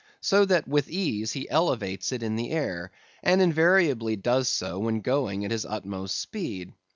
So that with ease he elevates it in the air, and invariably does so when going at his utmost speed.